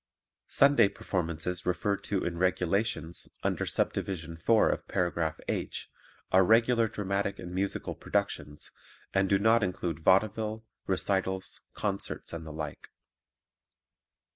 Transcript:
Sunday performances referred to in "Regulations," under Subdivision 4 of Paragraph H, are regular dramatic and musical productions and do not include vaudeville, recitals, concerts and the like.